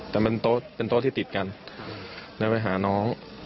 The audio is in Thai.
แต่เป็นโต๊ะที่ติดกันแล้วไปหาน้อง